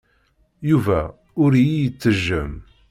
Yuba ur iyi-ittejjem.